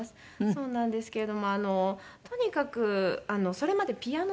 そうなんですけれどもとにかくそれまでピアノだったので。